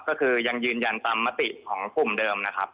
ก็คือยังยืนยันตามมติของกลุ่มเดิมนะครับ